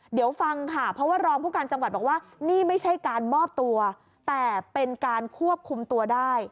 เดี๋ยวฟังค่ะเพราะว่ารองผู้การจังหวัดบอกว่านี่ไม่ใช่การมอบตัวแต่เป็นการควบคุมตัวได้